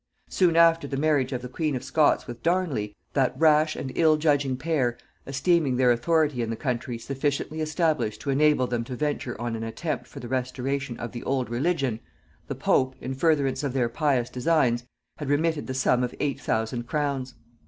Soon after the marriage of the queen of Scots with Darnley, that rash and ill judging pair esteeming their authority in the country sufficiently established to enable them to venture on an attempt for the restoration of the old religion, the pope, in furtherance of their pious designs, had remitted the sum of eight thousand crowns.